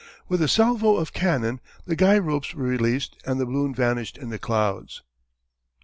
With a salvo of cannon the guy ropes were released and the balloon vanished in the clouds.